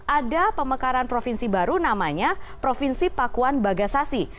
ada pemekaran provinsi baru namanya provinsi pakuan bagasasi